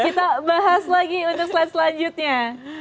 kita bahas lagi untuk slide selanjutnya